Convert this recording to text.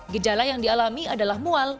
gejala yang dialami adalah mual